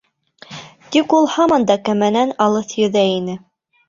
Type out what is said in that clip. Тик ул һаман да кәмәнән алыҫ йөҙә ине.